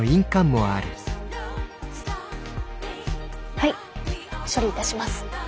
はい処理いたします。